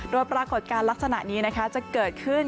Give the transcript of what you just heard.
โดยปรากฏการณ์ลักษณะนี้จะเกิดขึ้น